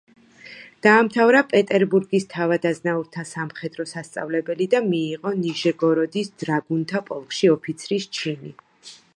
დაამთავრა პეტერბურგის თავადაზნაურთა სამხედრო სასწავლებელი და მიიღო ნიჟეგოროდის დრაგუნთა პოლკში ოფიცრის ჩინი.